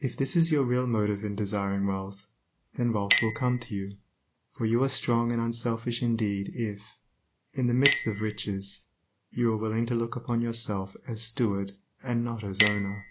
If this is your real motive in desiring wealth, then wealth will come to you; for you are strong and unselfish indeed if, in the midst of riches, you are willing to look upon yourself as steward and not as owner.